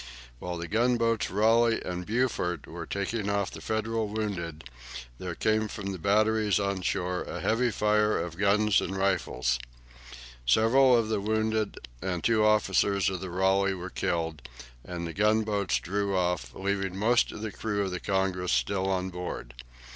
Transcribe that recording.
While the gunboats "Raleigh" and "Beaufort" were taking off the Federal wounded, there came from the batteries on shore a heavy fire of guns and rifles. Several of the wounded and two officers of the "Raleigh" were killed, and the gunboats drew off, leaving most of the crew of the "Congress" still on board.